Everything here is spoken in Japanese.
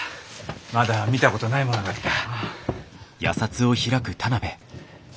まだ見たことないものがあった。